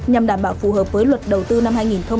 nhằm đảm bảo phù hợp với luật đầu tư năm hai nghìn hai mươi